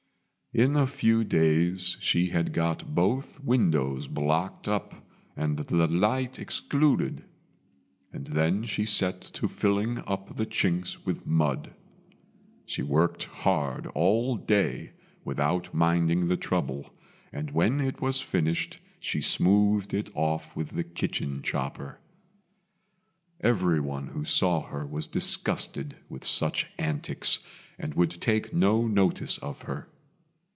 In a few days she had got both windows blocked up and the light excluded; and then she set to filling up the chinks with mud. She worked hard all day without minding the trouble, and when it was finished she smoothed it off with the kitchen chopper. Everyone who saw her was disgusted with such antics, and would take no notice of her.